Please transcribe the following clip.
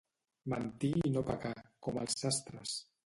Mentir i no pecar, com els sastres.